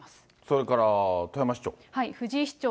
それから富山市長。